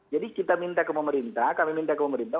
jadi kita minta ke pemerintah kami minta ke pemerintah